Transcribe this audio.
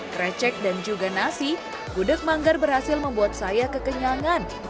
krecek dan juga nasi gudeg manggar berhasil membuat saya kekenyangan